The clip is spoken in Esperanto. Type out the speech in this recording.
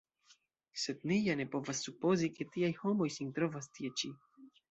Sed, ni ja ne povas supozi, ke tiaj homoj sin trovas tie ĉi.